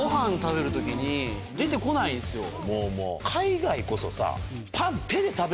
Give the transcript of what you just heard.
もう海外こそさ。